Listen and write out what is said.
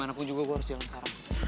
anakku juga gue harus jalan sekarang